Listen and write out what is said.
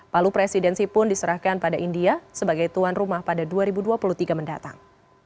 palu presidensi pun diserahkan pada india sebagai tuan rumah pada dua ribu dua puluh tiga mendatang